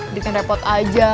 adit yang repot aja